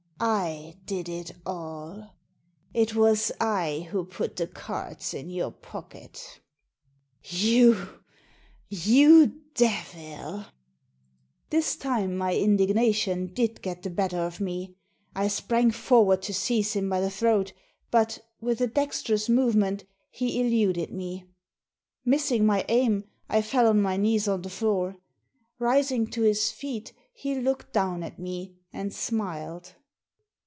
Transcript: I did it all. It was I who put the cards in your pocket" « You— you devil I" This time my indignation did get the better of me. I sprang forward to seize him by the throat, but, with a dexterous movement, he eluded me. Missing my aim, I fell on my knees on the floor. Rising to his feet he looked down at me, and smiled.